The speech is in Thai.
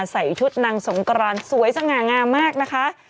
ใส่ชุดนางสงกรานสวยสง่างามมากนะคะ